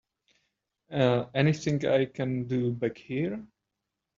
Anything I can do back here?